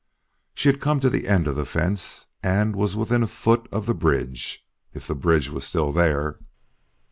She had come to the end of the fence and was within a foot of the bridge if the bridge was still there.